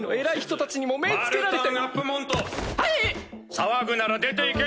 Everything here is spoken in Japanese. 騒ぐなら出ていけ！